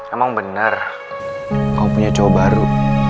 emang bener mau punya cowok baru